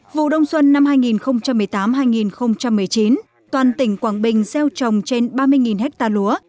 vụ đông xuân năm hai nghìn một mươi tám hai nghìn một mươi chín toàn tỉnh quảng bình gieo trồng trên ba mươi ha lúa